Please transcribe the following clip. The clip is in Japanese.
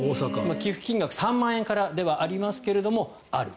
寄付金額が３万円からではありますがある。